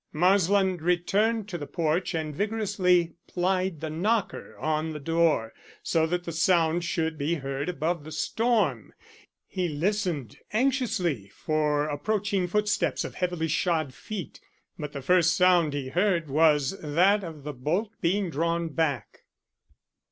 Marsland returned to the porch and vigorously plied the knocker on the door, so that the sound should be heard above the storm. He listened anxiously for approaching footsteps of heavily shod feet, but the first sound he heard was that of the bolt being drawn back.